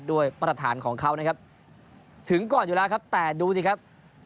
ด้วยประธานของเขานะครับถึงก่อนอยู่แล้วแต่ดูสิครับ